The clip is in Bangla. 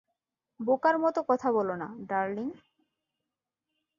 বোকার মত কথা বলো না, ডার্লিং।